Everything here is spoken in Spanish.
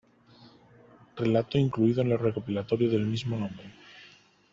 Relato incluido en el recopilatorio del mismo nombre.